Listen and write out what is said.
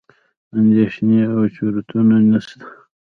اندېښنې او چورتونه نسته.